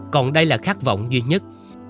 còn đây là khát vọng duy nhất